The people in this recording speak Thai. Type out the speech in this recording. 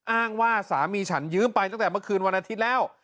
อ้างว่าสามีฉันยืมไปตั้งแต่เมื่อคืนวันอาทิตย์แล้ว